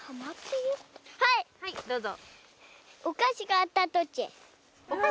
はいどうぞ。